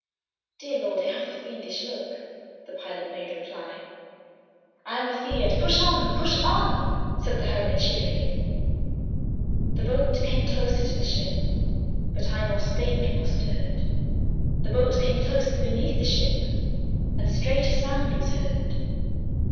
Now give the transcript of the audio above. "Dear Lord! it hath a fiendish look (The Pilot made reply) I am a feared" "Push on, push on!" Said the Hermit cheerily. The boat came closer to the ship, But I nor spake nor stirred; The boat came close beneath the ship, And straight a sound was heard.